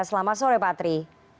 selamat sore pak tri